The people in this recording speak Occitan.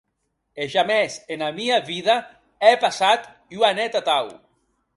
E jamès ena mia vida è passat ua net atau!